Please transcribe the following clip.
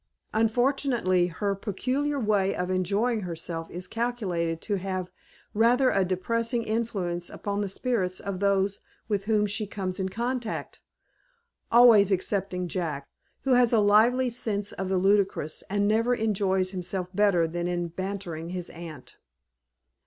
Unfortunately, her peculiar way of enjoying herself is calculated to have rather a depressing influence upon the spirits of those with whom she comes in contact always excepting Jack, who has a lively sense of the ludicrous, and never enjoys himself better than in bantering his aunt.